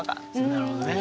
なるほどね。